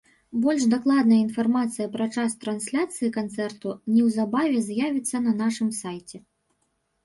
Больш дакладная інфармацыя пра час трансляцыі канцэрту неўзабаве з'явіцца на нашым сайце.